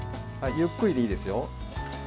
ゆっくりでいいですよ。